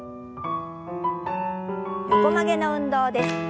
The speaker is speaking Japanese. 横曲げの運動です。